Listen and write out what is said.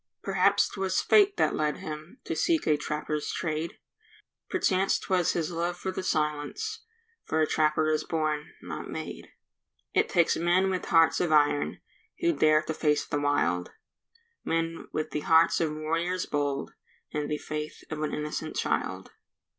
Perhaps 'twas fate that led him To seek a trapper's trade; Perchance 'twas his love for the silence, For a trapper is born—not made. It takes men with hearts of iron Who dare to face the wild; Men with the hearts of warriors bold, And the faith of an innocent child.